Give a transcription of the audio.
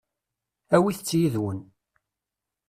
Awit-t yid-wen.